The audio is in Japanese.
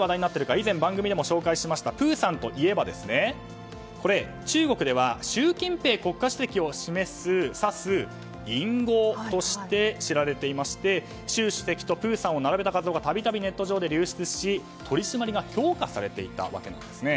以前番組でも紹介しましたプーさんといえば中国では習近平国家主席を指す隠語として知られていまして習主席とプーさんを並べた画像が度々、ネット上で流出し取り締まりが強化されていたわけです。